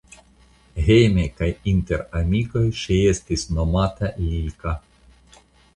Hejme kaj inter amikoj ŝi estis nomata Lilka.